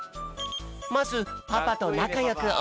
まずパパとなかよくおえかき。